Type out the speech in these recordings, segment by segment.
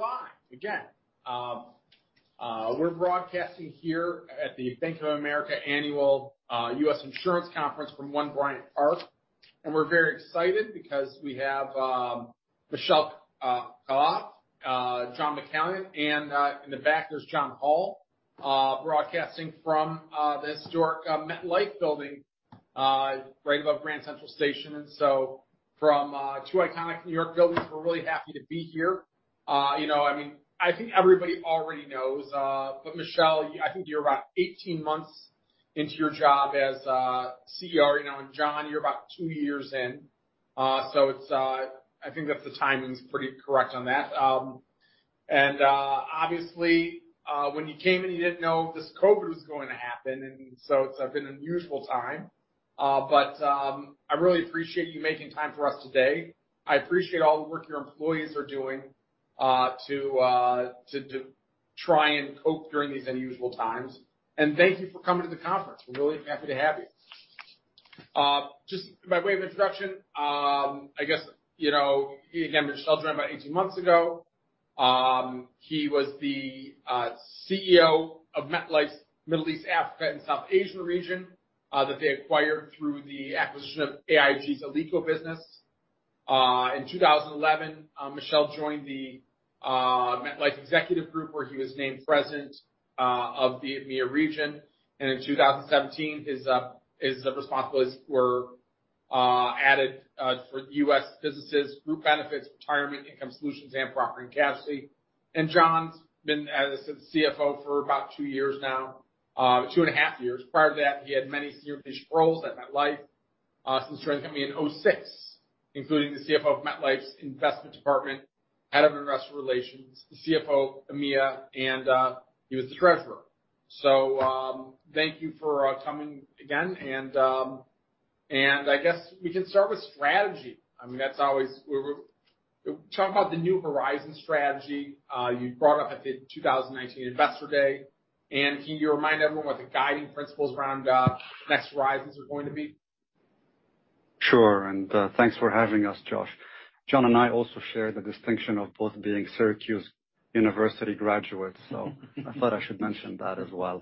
We're live again. We're broadcasting here at the Bank of America annual, U.S. Insurance Conference from One Bryant Park, and we're very excited because we have Michel Khalaf, John McCallion, and in the back there's John Hall, broadcasting from the historic MetLife building, right above Grand Central Station. From two iconic New York buildings, we're really happy to be here. I think everybody already knows, but Michel, I think you're about 18 months into your job as CEO, and John, you're about 2 years in. I think that the timing's pretty correct on that. Obviously, when you came in, you didn't know this COVID was going to happen, and so it's been an unusual time. I really appreciate you making time for us today. I appreciate all the work your employees are doing to try and cope during these unusual times. Thank you for coming to the conference. We're really happy to have you. Just by way of introduction, again, Michel joined about 18 months ago. He was the CEO of MetLife's Middle East, Africa, and South Asia region that they acquired through the acquisition of AIG's Alico business. In 2011, Michel joined the MetLife executive group, where he was named president of the EMEA region. In 2017, his responsibilities were added for U.S. businesses, Group Benefits, Retirement and Income Solutions, and property and casualty. John's been, as I said, the CFO for about 2 years now, 2 and a half years. Prior to that, he had many senior leadership roles at MetLife, since joining the company in 2006, including the CFO of MetLife's investment department, head of investor relations, the CFO of EMEA, and he was the treasurer. Thank you for coming again, and I guess we can start with strategy. Talk about the Next Horizon strategy you brought up at the 2019 Investor Day, and can you remind everyone what the guiding principles around Next Horizon are going to be? Sure, thanks for having us, Josh. John and I also share the distinction of both being Syracuse University graduates, so I thought I should mention that as well.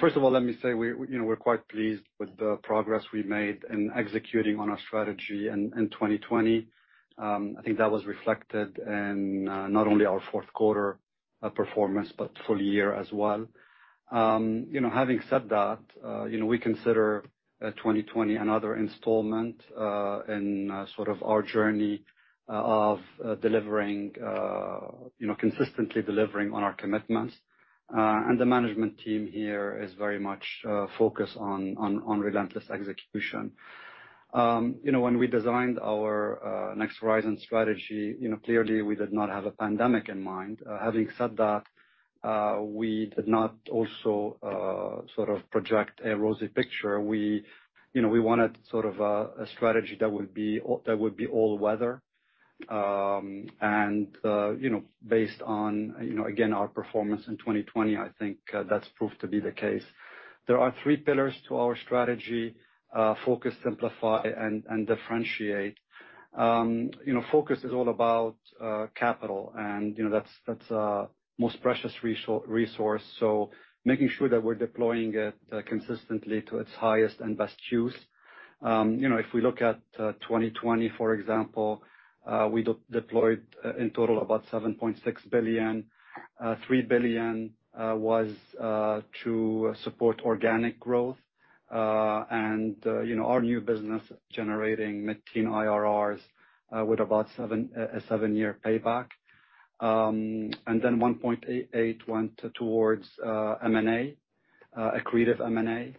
First of all, let me say we're quite pleased with the progress we made in executing on our strategy in 2020. I think that was reflected in not only our fourth quarter performance, but full year as well. Having said that, we consider 2020 another installment in our journey of consistently delivering on our commitments. The management team here is very much focused on relentless execution. When we designed our Next Horizon strategy, clearly we did not have a pandemic in mind. Having said that, we did not also project a rosy picture. We wanted a strategy that would be all weather. Based on, again, our performance in 2020, I think that's proved to be the case. There are three pillars to our strategy, focus, simplify, and differentiate. Focus is all about capital, and that's our most precious resource, so making sure that we're deploying it consistently to its highest and best use. If we look at 2020, for example, we deployed in total about $7.6 billion. $3 billion was to support organic growth, and our new business generating mid-teen IRRs with about a seven-year payback. $1.88 went towards M&A, accretive M&A.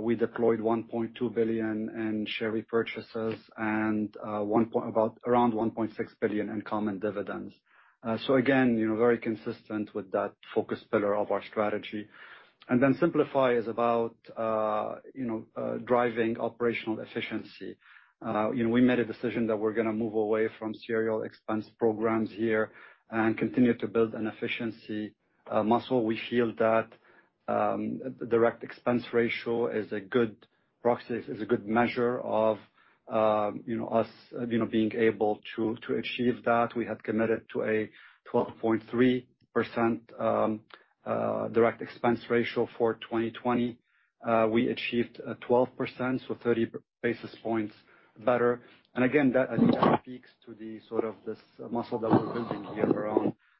We deployed $1.2 billion in share repurchases and around $1.6 billion in common dividends. Again, very consistent with that focus pillar of our strategy. Simplify is about driving operational efficiency. We made a decision that we're going to move away from serial expense programs here and continue to build an efficiency muscle. We feel that direct expense ratio is a good proxy, is a good measure of us being able to achieve that. We had committed to a 12.3% direct expense ratio for 2020. We achieved 12%, 30 basis points better. Again, that speaks to this muscle that we're building here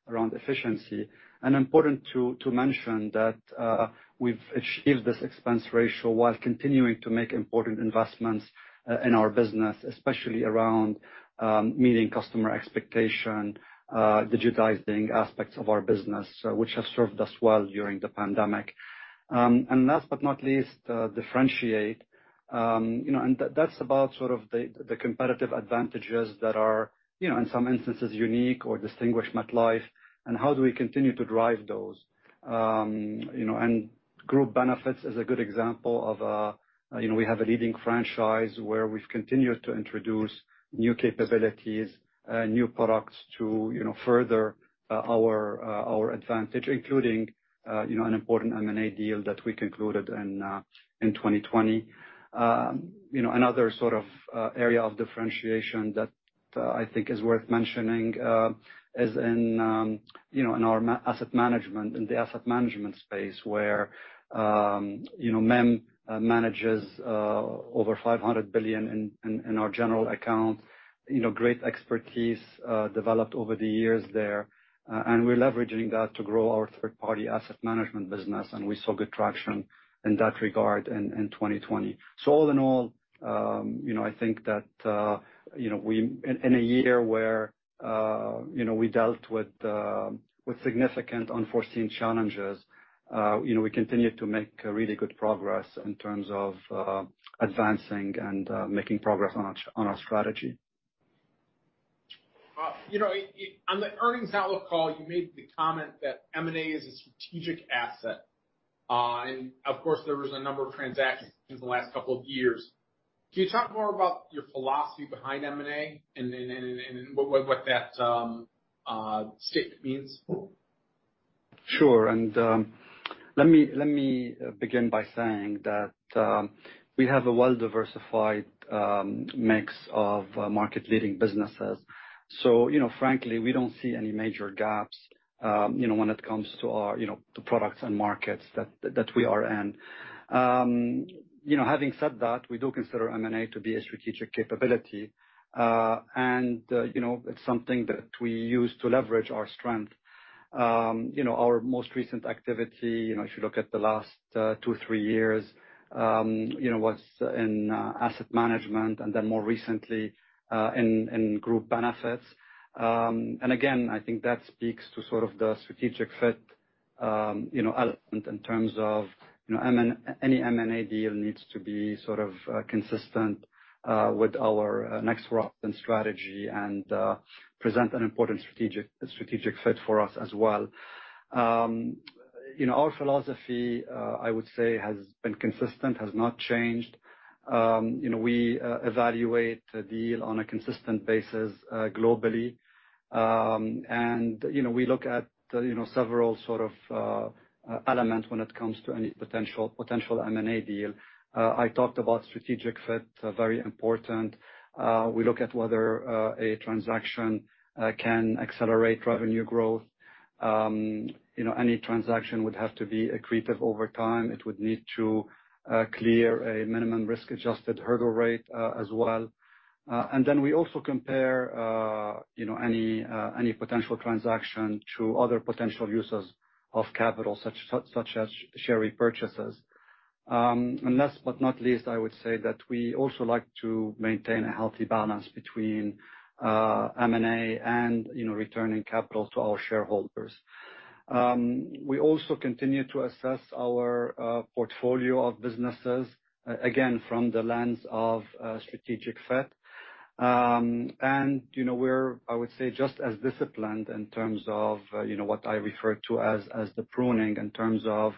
around efficiency. Important to mention that we've achieved this expense ratio while continuing to make important investments in our business, especially around meeting customer expectation, digitizing aspects of our business, which have served us well during the pandemic. Last but not least, differentiate. That's about the competitive advantages that are, in some instances, unique or distinguish MetLife, and how do we continue to drive those? Group Benefits is a good example of, we have a leading franchise where we've continued to introduce new capabilities, new products to further our advantage, including an important M&A deal that we concluded in 2020. Another area of differentiation that I think is worth mentioning is in our asset management, in the asset management space where MIM manages over $500 billion in our general account. Great expertise developed over the years there. We're leveraging that to grow our third-party asset management business, and we saw good traction in that regard in 2020. All in all, I think that in a year where we dealt with significant unforeseen challenges, we continued to make really good progress in terms of advancing and making progress on our strategy. On the earnings outlook call, you made the comment that M&A is a strategic asset. Of course, there was a number of transactions in the last couple of years. Can you talk more about your philosophy behind M&A and what that statement means? Sure. Let me begin by saying that we have a well-diversified mix of market-leading businesses. Frankly, we don't see any major gaps when it comes to products and markets that we are in. Having said that, we do consider M&A to be a strategic capability. It's something that we use to leverage our strength. Our most recent activity, if you look at the last two, three years, was in asset management and then more recently, in Group Benefits. Again, I think that speaks to sort of the strategic fit in terms of any M&A deal needs to be sort of consistent with our Next Horizon strategy and present an important strategic fit for us as well. Our philosophy, I would say, has been consistent, has not changed. We evaluate a deal on a consistent basis globally. We look at several sort of elements when it comes to any potential M&A deal. I talked about strategic fit, very important. We look at whether a transaction can accelerate revenue growth. Any transaction would have to be accretive over time. It would need to clear a minimum risk-adjusted hurdle rate as well. We also compare any potential transaction to other potential uses of capital, such as share repurchases. Last but not least, I would say that we also like to maintain a healthy balance between M&A and returning capital to our shareholders. We also continue to assess our portfolio of businesses, again, from the lens of strategic fit. We're, I would say, just as disciplined in terms of what I refer to as the pruning, in terms of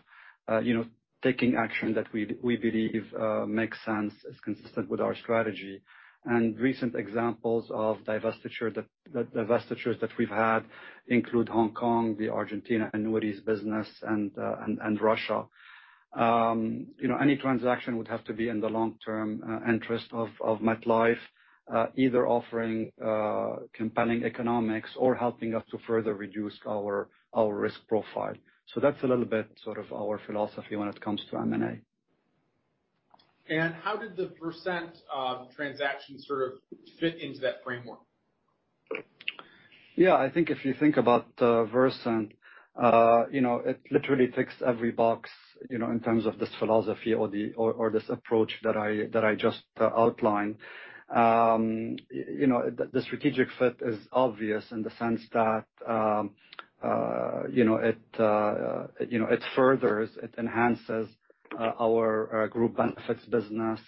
taking action that we believe makes sense, is consistent with our strategy. Recent examples of divestitures that we've had include Hong Kong, the Argentina annuities business, and Russia. Any transaction would have to be in the long-term interest of MetLife, either offering compelling economics or helping us to further reduce our risk profile. That's a little bit sort of our philosophy when it comes to M&A. How did the Versant transaction sort of fit into that framework? I think if you think about Versant, it literally ticks every box in terms of this philosophy or this approach that I just outlined. The strategic fit is obvious in the sense that it enhances our Group Benefits business.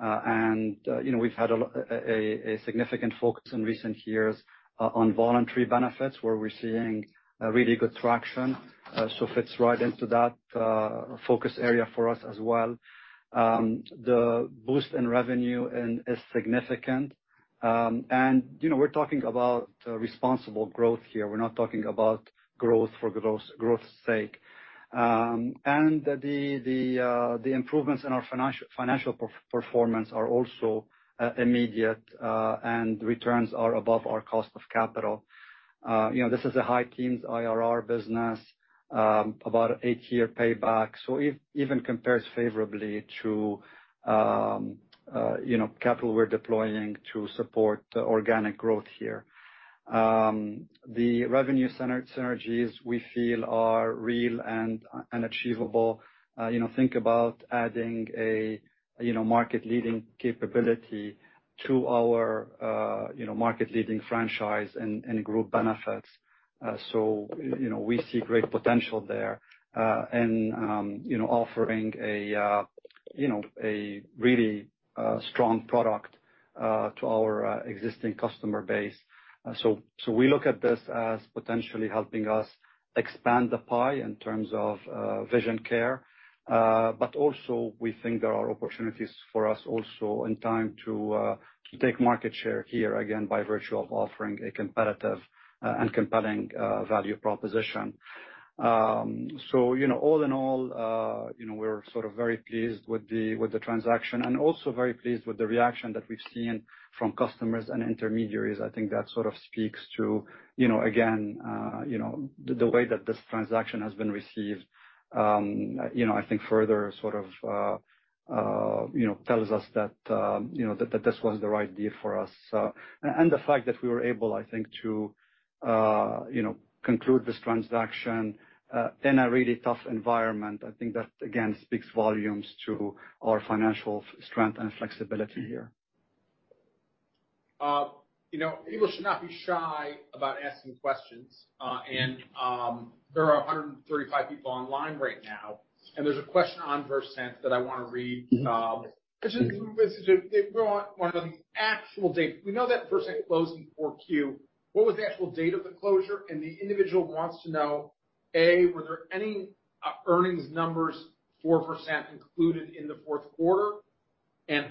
We've had a significant focus in recent years on voluntary benefits, where we're seeing really good traction. It fits right into that focus area for us as well. The boost in revenue is significant. We're talking about responsible growth here. We're not talking about growth for growth's sake. The improvements in our financial performance are also immediate, and returns are above our cost of capital. This is a high-teens IRR business, about eight-year payback. Even compares favorably to capital we're deploying to support organic growth here. The revenue synergies we feel are real and achievable. Think about adding a market-leading capability to our market-leading franchise in Group Benefits. We see great potential there in offering a really strong product to our existing customer base. We look at this as potentially helping us expand the pie in terms of vision care. Also, we think there are opportunities for us also in time to take market share here, again, by virtue of offering a competitive and compelling value proposition. All in all, we're very pleased with the transaction and also very pleased with the reaction that we've seen from customers and intermediaries. I think that sort of speaks to, again, the way that this transaction has been received, I think further tells us that this was the right deal for us. The fact that we were able, I think, to conclude this transaction in a really tough environment, I think that again, speaks volumes to our financial strength and flexibility here. People should not be shy about asking questions. There are 135 people online right now, and there's a question on Versant that I want to read. They want one of the actual date. We know that Versant closed in four Q, what was the actual date of the closure? The individual wants to know, A, were there any earnings numbers for Versant included in the fourth quarter?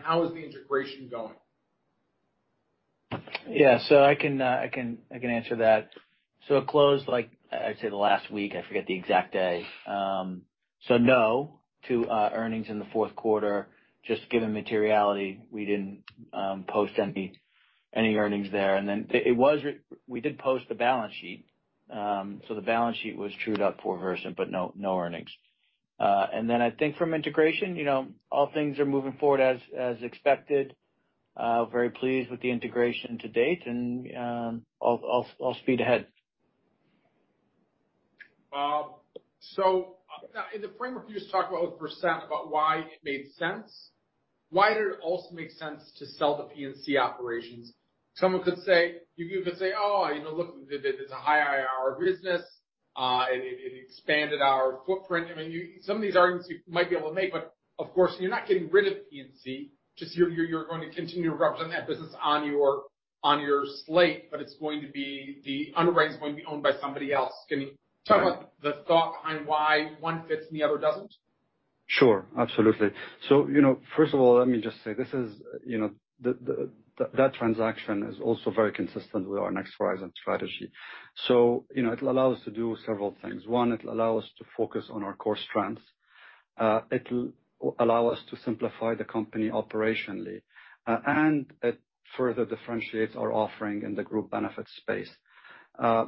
How is the integration going? Yeah. I can answer that. It closed, I'd say, the last week. I forget the exact day. No to earnings in the fourth quarter. Just given materiality, we didn't post any earnings there. We did post the balance sheet, so the balance sheet was trued up for Versant, but no earnings. I think from integration, all things are moving forward as expected. Very pleased with the integration to date and all speed ahead. In the framework you just talked about with Versant about why it made sense, why did it also make sense to sell the P&C operations? Someone could say, "Oh, look, it's a high IRR business, it expanded our footprint." Some of these arguments you might be able to make, but of course, you're not getting rid of P&C, just you're going to continue to represent that business on your slate, but the underwriting is going to be owned by somebody else. Can you talk about the thought behind why one fits and the other doesn't? Sure. Absolutely. First of all, let me just say that transaction is also very consistent with our Next Horizon strategy. It'll allow us to do several things. One, it'll allow us to focus on our core strengths. It'll allow us to simplify the company operationally. It further differentiates our offering in the Group Benefits space.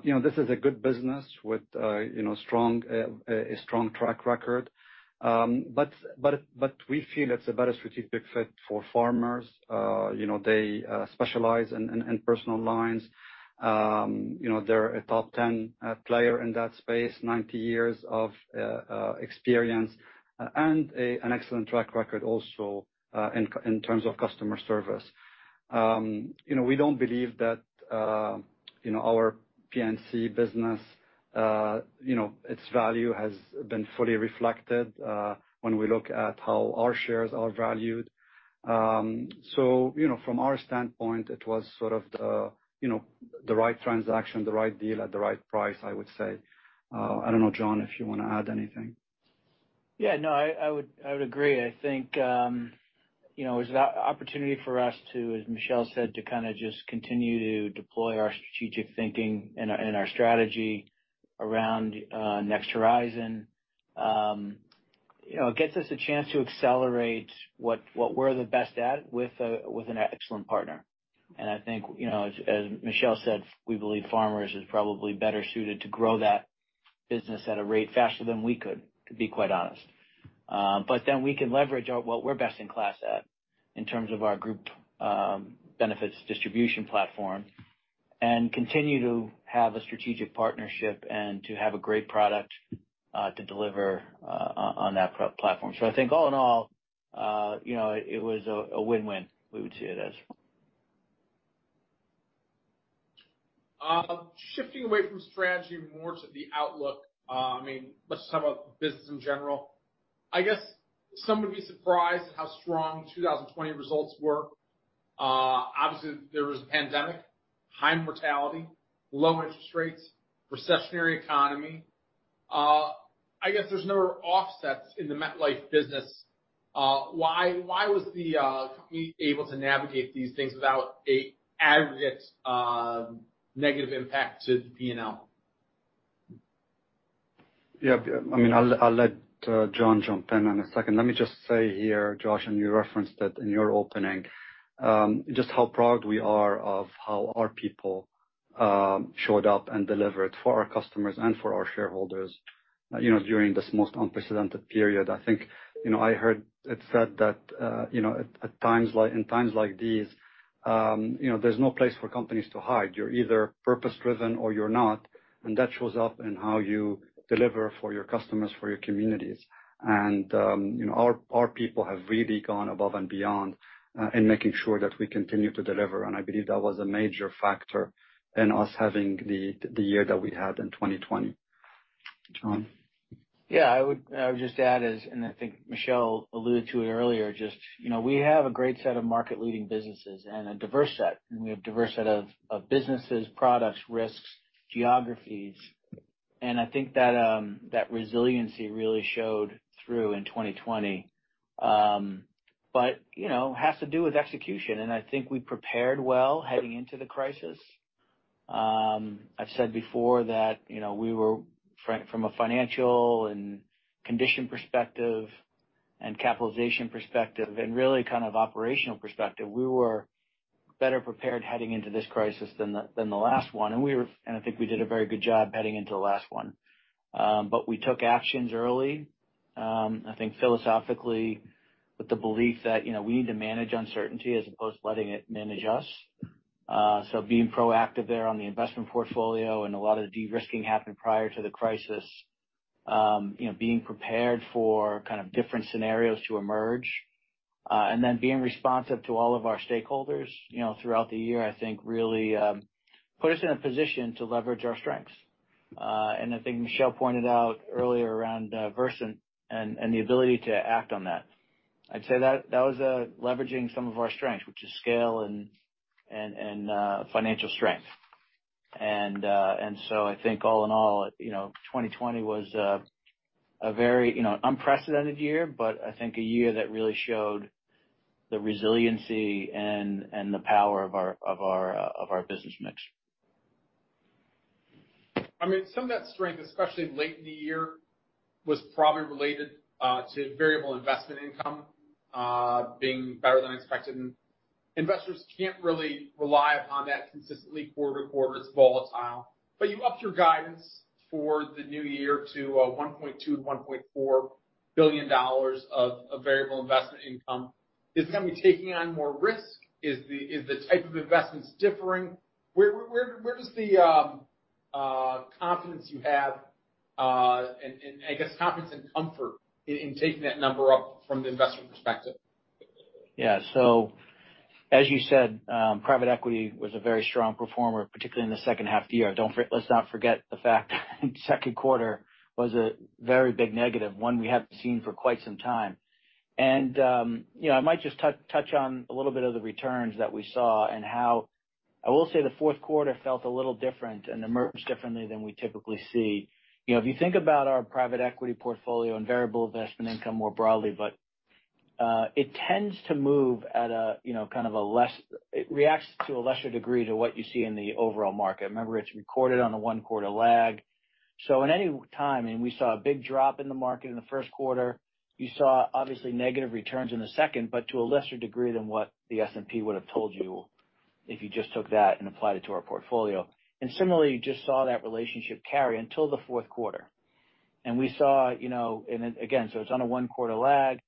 This is a good business with a strong track record. We feel it's a better strategic fit for Farmers. They specialize in personal lines. They're a top 10 player in that space, 90 years of experience, and an excellent track record also, in terms of customer service. We don't believe that our P&C business, its value has been fully reflected, when we look at how our shares are valued. From our standpoint, it was sort of the right transaction, the right deal at the right price, I would say. I don't know, John, if you want to add anything. No, I would agree. I think, it was an opportunity for us to, as Michel said, to kind of just continue to deploy our strategic thinking and our strategy around Next Horizon. It gets us a chance to accelerate what we're the best at with an excellent partner. I think, as Michel said, we believe Farmers is probably better suited to grow that business at a rate faster than we could, to be quite honest. We can leverage what we're best in class at in terms of our Group Benefits distribution platform, and continue to have a strategic partnership and to have a great product to deliver on that platform. I think all in all, it was a win-win, we would see it as. Shifting away from strategy more to the outlook. Let's just talk about business in general. I guess some would be surprised at how strong 2020 results were. Obviously, there was a pandemic, high mortality, low interest rates, recessionary economy. I guess there's no offsets in the MetLife business. Why was the company able to navigate these things without an aggregate negative impact to the P&L? I'll let John jump in in a second. Let me just say here, Josh, you referenced it in your opening, just how proud we are of how our people showed up and delivered for our customers and for our shareholders during this most unprecedented period. I heard it said that in times like these, there's no place for companies to hide. You're either purpose-driven or you're not, and that shows up in how you deliver for your customers, for your communities. Our people have really gone above and beyond in making sure that we continue to deliver, and I believe that was a major factor in us having the year that we had in 2020. John? I would just add is, I think Michel alluded to it earlier, just we have a great set of market-leading businesses and a diverse set. We have diverse set of businesses, products, risks, geographies. I think that resiliency really showed through in 2020. It has to do with execution, and I think we prepared well heading into the crisis. I've said before that we were, from a financial and condition perspective and capitalization perspective, and really kind of operational perspective, we were better prepared heading into this crisis than the last one. I think we did a very good job heading into the last one. We took actions early. I think philosophically, with the belief that we need to manage uncertainty as opposed to letting it manage us. Being proactive there on the investment portfolio and a lot of the de-risking happened prior to the crisis. Being prepared for kind of different scenarios to emerge. Being responsive to all of our stakeholders throughout the year, I think really put us in a position to leverage our strengths. I think Michel pointed out earlier around Versant Health and the ability to act on that. I'd say that was leveraging some of our strengths, which is scale and financial strength. I think all in all, 2020 was a very unprecedented year, but I think a year that really showed the resiliency and the power of our business mix. Some of that strength, especially late in the year, was probably related to variable investment income being better than expected. Investors can't really rely upon that consistently quarter to quarter. It's volatile. You upped your guidance for the new year to $1.2 billion-$1.4 billion of variable investment income. Is it going to be taking on more risk? Is the type of investments differing? Where does the confidence you have, and I guess confidence and comfort in taking that number up from the investment perspective? As you said, private equity was a very strong performer, particularly in the second half of the year. Let's not forget the fact that second quarter was a very big negative, one we haven't seen for quite some time. I might just touch on a little bit of the returns that we saw and how I will say the fourth quarter felt a little different and emerged differently than we typically see. If you think about our private equity portfolio and variable investment income more broadly, it tends to move at a kind of a less-- it reacts to a lesser degree to what you see in the overall market. Remember, it's recorded on a one-quarter lag. At any time, we saw a big drop in the market in the first quarter. You saw obviously negative returns in the second, but to a lesser degree than what the S&P would've told you if you just took that and applied it to our portfolio. Similarly, just saw that relationship carry until the fourth quarter. We saw. It's on a one-quarter lag.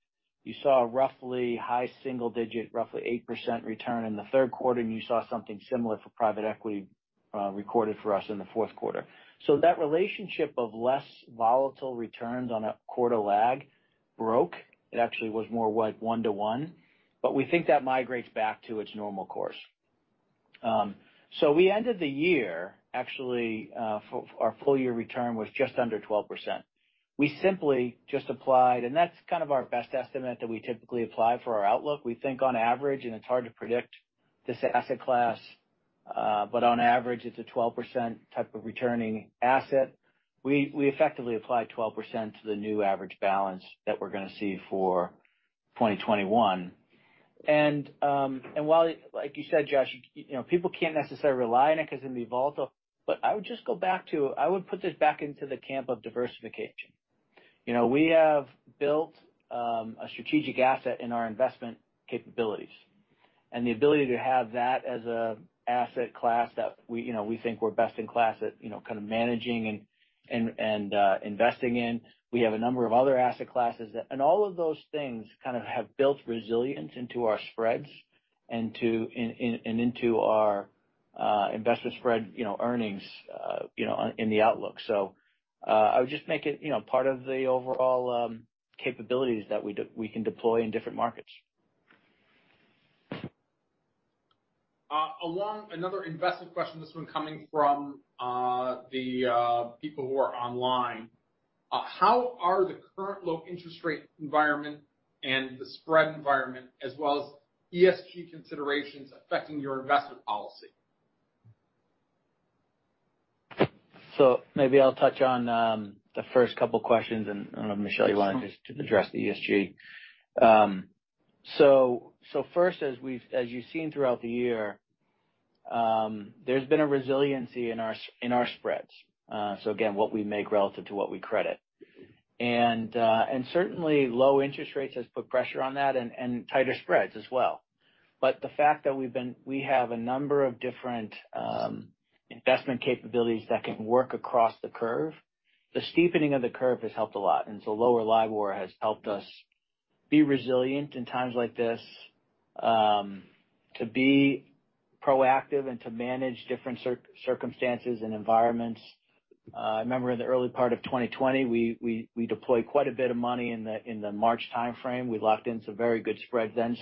You saw roughly high single digit, roughly 8% return in the third quarter, and you saw something similar for private equity recorded for us in the fourth quarter. That relationship of less volatile returns on a quarter lag broke. It actually was more like one to one. We think that migrates back to its normal course. We ended the year, actually, our full year return was just under 12%. We simply just applied, and that's kind of our best estimate that we typically apply for our outlook. We think on average, it's hard to predict this asset class. On average, it's a 12% type of returning asset. We effectively applied 12% to the new average balance that we're going to see for 2021. While, like you said, Josh, people can't necessarily rely on it because it can be volatile, I would just go back to, I would put this back into the camp of diversification. We have built a strategic asset in our investment capabilities. The ability to have that as an asset class that we think we're best in class at kind of managing and investing in. We have a number of other asset classes. All of those things kind of have built resilience into our spreads and into our investment spread earnings in the outlook. I would just make it part of the overall capabilities that we can deploy in different markets. Along another investment question, this one coming from the people who are online. How are the current low interest rate environment and the spread environment, as well as ESG considerations affecting your investment policy? Maybe I'll touch on the first couple questions, and I don't know, Michel, you want just to address the ESG? First, as you've seen throughout the year, there's been a resiliency in our spreads. Again, what we make relative to what we credit. Certainly low interest rates has put pressure on that and tighter spreads as well. The fact that we have a number of different investment capabilities that can work across the curve, the steepening of the curve has helped a lot. Lower LIBOR has helped us be resilient in times like this. To be proactive and to manage different circumstances and environments. Remember in the early part of 2020, we deployed quite a bit of money in the March timeframe. We locked in some very good spreads then.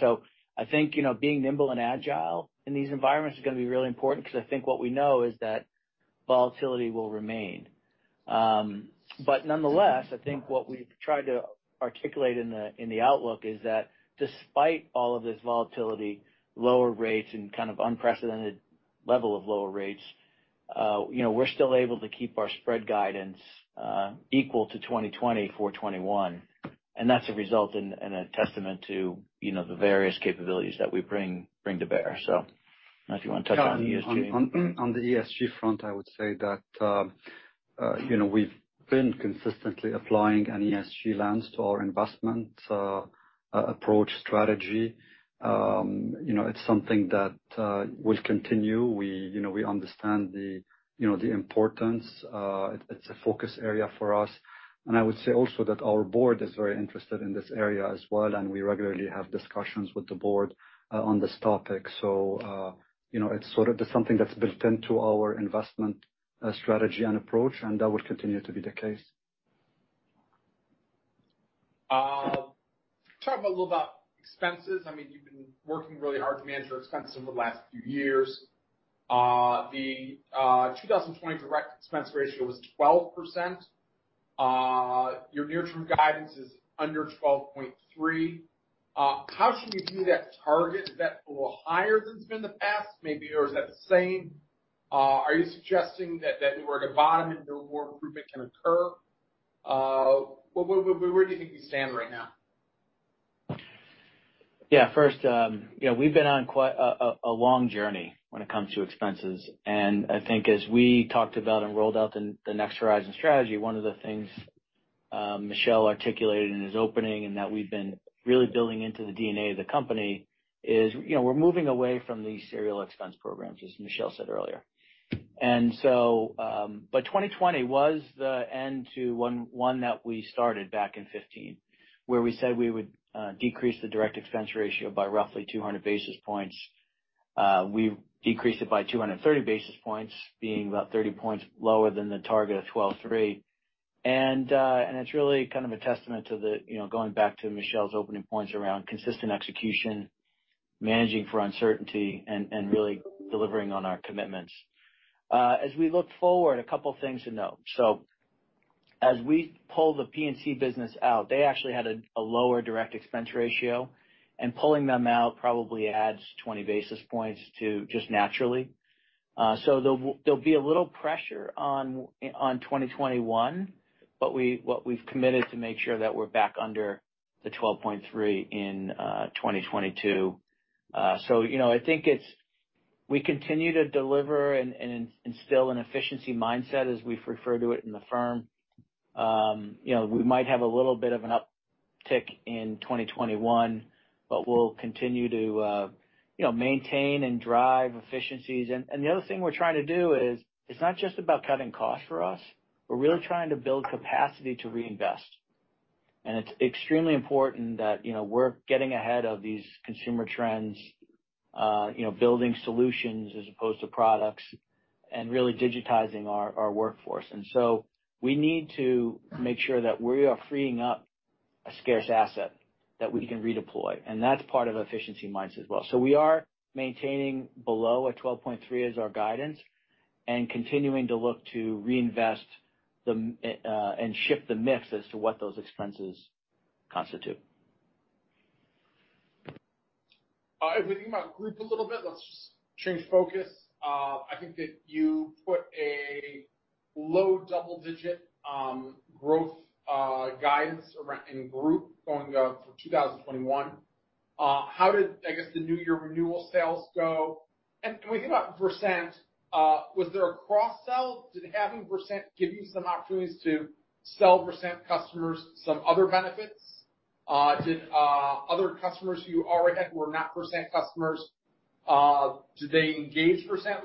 I think being nimble and agile in these environments is going to be really important because I think what we know is that volatility will remain. Nonetheless, I think what we've tried to articulate in the outlook is that despite all of this volatility, lower rates and kind of unprecedented level of lower rates. We're still able to keep our spread guidance equal to 2020 for 2021, and that's a result and a testament to the various capabilities that we bring to bear. If you want to touch on ESG. On the ESG front, I would say that we've been consistently applying an ESG lens to our investment approach strategy. It's something that will continue. We understand the importance. It's a focus area for us. I would say also that our board is very interested in this area as well, and we regularly have discussions with the board on this topic. It's something that's built into our investment strategy and approach, and that will continue to be the case. Talk a little about expenses. You've been working really hard to manage your expenses over the last few years. The 2020 direct expense ratio was 12%. Your near-term guidance is under 12.3%. How should we view that target? Is that a little higher than it's been in the past, maybe, or is that the same? Are you suggesting that we're at a bottom and no more improvement can occur? Where do you think we stand right now? Yeah. First, we've been on a long journey when it comes to expenses. I think as we talked about and rolled out the Next Horizon strategy, one of the things Michel articulated in his opening, and that we've been really building into the DNA of the company, is we're moving away from these serial expense programs, as Michel said earlier. 2020 was the end to one that we started back in 2015, where we said we would decrease the direct expense ratio by roughly 200 basis points. We've decreased it by 230 basis points, being about 30 points lower than the target of 12.3%. It's really a testament to going back to Michel's opening points around consistent execution, managing for uncertainty, and really delivering on our commitments. As we look forward, a couple of things to note. As we pull the P&C business out, they actually had a lower direct expense ratio, pulling them out probably adds 20 basis points just naturally. There'll be a little pressure on 2021. What we've committed to make sure that we're back under the 12.3 in 2022. I think we continue to deliver and instill an efficiency mindset, as we refer to it in the firm. We might have a little bit of an uptick in 2021, but we'll continue to maintain and drive efficiencies. The other thing we're trying to do is, it's not just about cutting costs for us. We're really trying to build capacity to reinvest. It's extremely important that we're getting ahead of these consumer trends, building solutions as opposed to products, and really digitizing our workforce. We need to make sure that we are freeing up a scarce asset that we can redeploy, and that's part of efficiency mindset as well. We are maintaining below a 12.3 as our guidance and continuing to look to reinvest and shift the mix as to what those expenses constitute. If we think about Group a little bit, let's just change focus. I think that you put a low double-digit growth guidance in Group for 2021. How did the new year renewal sales go? When we think about Versant, was there a cross-sell? Did having Versant give you some opportunities to sell Versant customers some other benefits? Did other customers who you already had who are not Versant customers, did they engage Versant?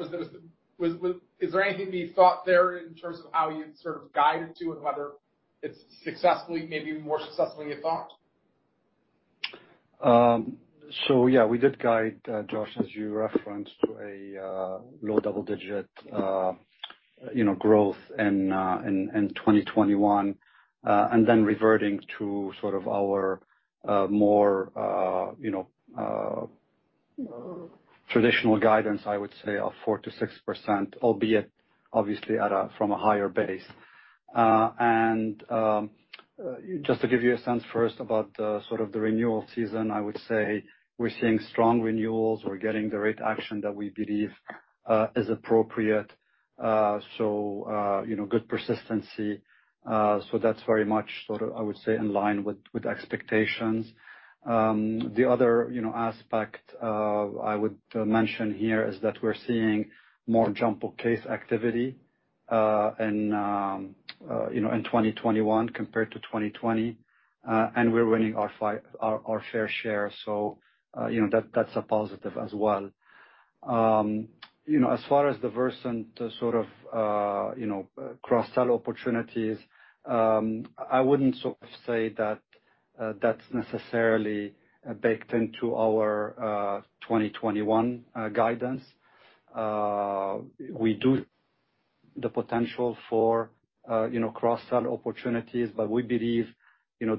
Is there anything to be thought there in terms of how you'd guide it to and whether it's successfully, maybe more successful than you thought? Yeah, we did guide, Josh, as you referenced, to a low double-digit growth in 2021. Then reverting to our more traditional guidance, I would say, of 4% to 6%, albeit obviously from a higher base. Just to give you a sense first about the renewal season, I would say we're seeing strong renewals. We're getting the right action that we believe is appropriate. Good persistency. That's very much, I would say, in line with expectations. The other aspect I would mention here is that we're seeing more jumbo case activity in 2021 compared to 2020. We're winning our fair share, so that's a positive as well. As far as the Versant cross-sell opportunities, I wouldn't say that that's necessarily baked into our 2021 guidance. We do the potential for cross-sell opportunities, but we believe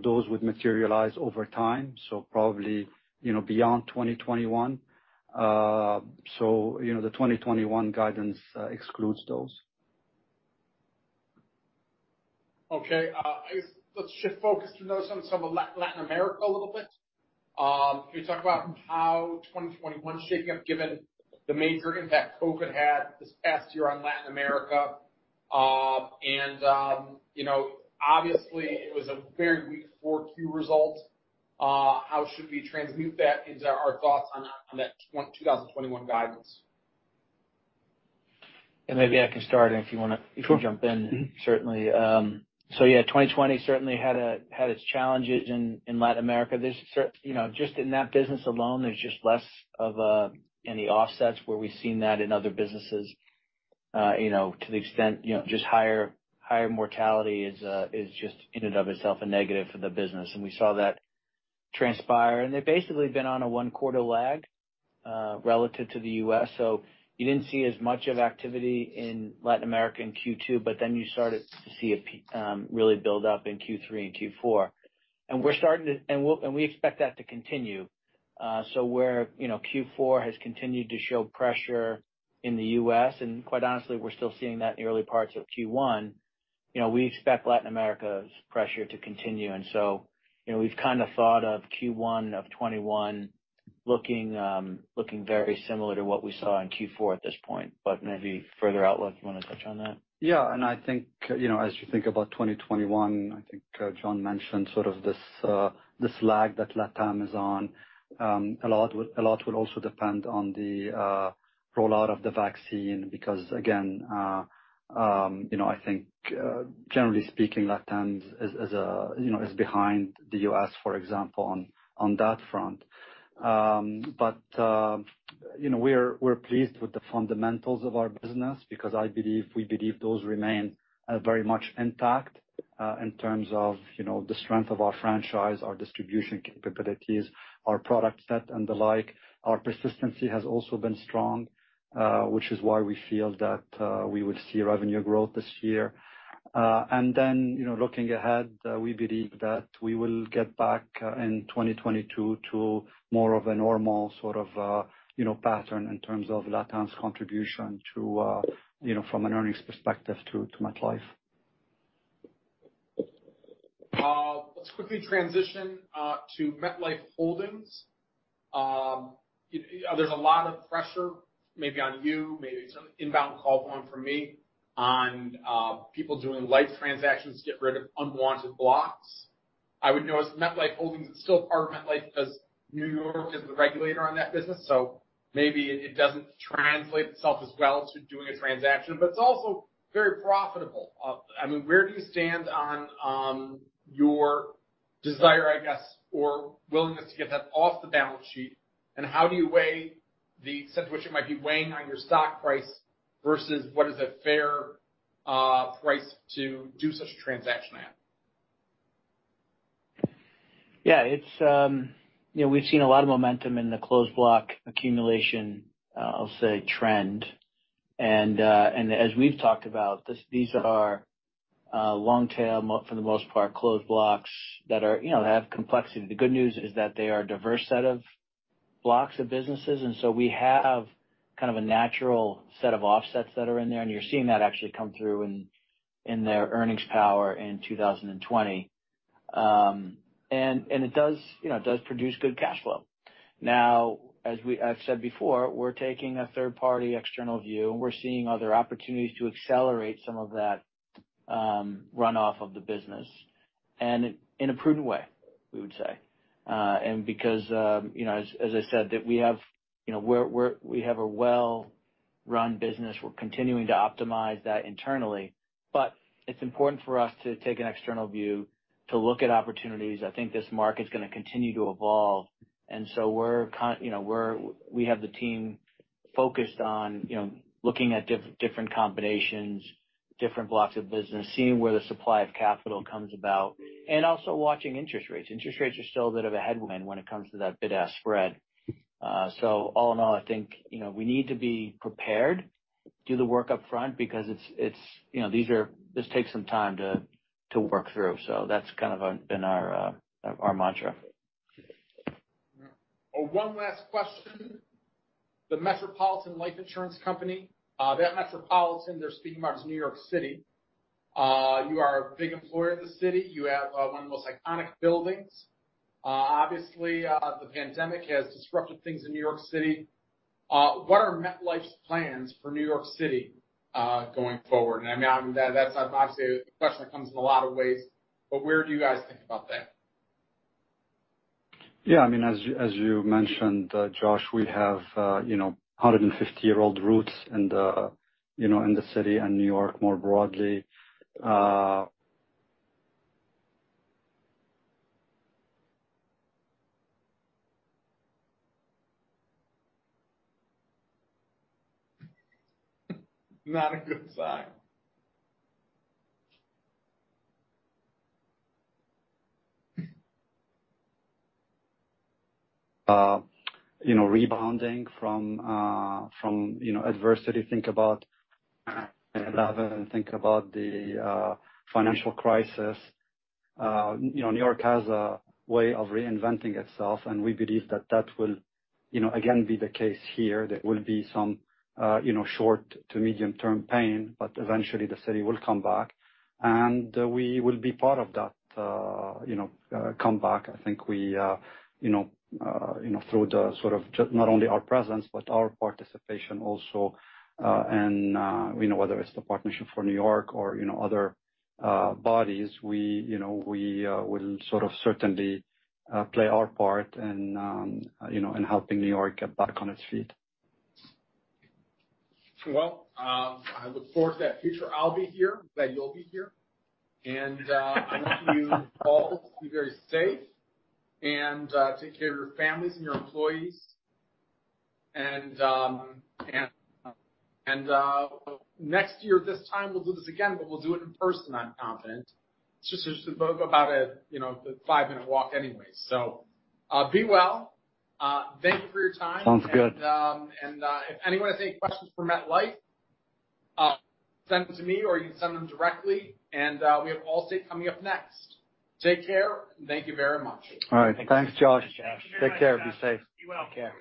those would materialize over time, probably beyond 2021. The 2021 guidance excludes those Okay. Let's shift focus to know some of Latin America a little bit. Can you talk about how 2021's shaping up, given the major impact COVID had this past year on Latin America? Obviously, it was a very weak Q4 result. How should we transmute that into our thoughts on that 2021 guidance? Maybe I can start, and if you want to- Sure You can jump in, certainly. Yeah, 2020 certainly had its challenges in Latin America. Just in that business alone, there's just less of any offsets where we've seen that in other businesses to the extent, just higher mortality is just in and of itself a negative for the business. We saw that transpire, and they've basically been on a one-quarter lag relative to the U.S. You didn't see as much of activity in Latin America in Q2, but then you started to see it really build up in Q3 and Q4. We expect that to continue. Where Q4 has continued to show pressure in the U.S., and quite honestly, we're still seeing that in the early parts of Q1. We expect Latin America's pressure to continue. We've kind of thought of Q1 of 2021 looking very similar to what we saw in Q4 at this point, but maybe further outlook. You want to touch on that? Yeah. I think, as you think about 2021, I think John mentioned sort of this lag that LatAm is on. A lot will also depend on the rollout of the vaccine because again, I think, generally speaking, LatAm is behind the U.S., for example, on that front. We're pleased with the fundamentals of our business because we believe those remain very much intact in terms of the strength of our franchise, our distribution capabilities, our product set, and the like. Our persistency has also been strong, which is why we feel that we would see revenue growth this year. Looking ahead, we believe that we will get back in 2022 to more of a normal sort of pattern in terms of LatAm's contribution from an earnings perspective to MetLife. Let's quickly transition to MetLife Holdings. There's a lot of pressure maybe on you, maybe some inbound call going from me on people doing life transactions to get rid of unwanted blocks. I would notice MetLife Holdings is still part of MetLife because New York is the regulator on that business, so maybe it doesn't translate itself as well to doing a transaction, but it's also very profitable. Where do you stand on your desire, I guess, or willingness to get that off the balance sheet? How do you weigh the sense in which it might be weighing on your stock price versus what is a fair price to do such a transaction at? Yeah. As we've seen a lot of momentum in the closed block accumulation, I'll say, trend. As we've talked about, these are long tail, for the most part, closed blocks that have complexity. The good news is that they are a diverse set of blocks of businesses, and so we have kind of a natural set of offsets that are in there, and you're seeing that actually come through in their earnings power in 2020. It does produce good cash flow. Now, as I've said before, we're taking a third-party external view, and we're seeing other opportunities to accelerate some of that runoff of the business and in a prudent way, we would say. Because, as I said, that we have a well-run business. We're continuing to optimize that internally. It's important for us to take an external view to look at opportunities. I think this market's going to continue to evolve. We have the team focused on looking at different combinations, different blocks of business, seeing where the supply of capital comes about, and also watching interest rates. Interest rates are still a bit of a headwind when it comes to that bid-ask spread. All in all, I think, we need to be prepared, do the work upfront because this takes some time to work through. That's kind of been our mantra. One last question. The Metropolitan Life Insurance Company, that Metropolitan, their seed market is New York City. You are a big employer of the city. You have one of the most iconic buildings. Obviously, the pandemic has disrupted things in New York City. What are MetLife's plans for New York City going forward? I mean, that's obviously a question that comes in a lot of ways, but where do you guys think about that? Yeah, as you mentioned, Josh, we have 150-year-old roots in the city and New York more broadly. Not a good sign. Rebounding from adversity, think about the financial crisis. New York has a way of reinventing itself, and we believe that will again be the case here. There will be some short to medium-term pain, but eventually, the city will come back, and we will be part of that comeback. I think through the sort of not only our presence but our participation also, whether it's the Partnership for New York or other bodies, we will sort of certainly play our part in helping New York get back on its feet. Well, I look forward to that future. I'll be here, glad you'll be here. I want you all to be very safe and take care of your families and your employees. Next year, this time, we'll do this again, but we'll do it in person, I'm confident. It's just about a five-minute walk anyway. Be well. Thank you for your time. Sounds good. If anyone has any questions for MetLife, send them to me, or you can send them directly. We have Allstate coming up next. Take care, and thank you very much. All right. Thanks, Josh. Thanks very much, guys. Take care. Be safe. You as well. Take care.